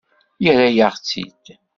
Yerra-yaɣ-tt-id.